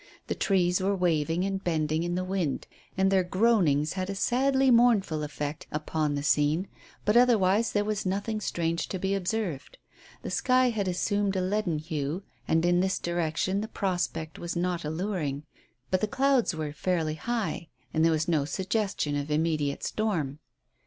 The trees were waving and bending in the wind, and their groanings had a sadly mournful effect, upon the scene, but otherwise there was nothing strange to be observed. The sky had assumed a leaden hue, and in this direction the prospect was not alluring, but the clouds were fairly high and there was no suggestion of immediate storm.